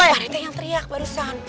mereka yang teriak barusan